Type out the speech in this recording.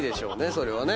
それはね。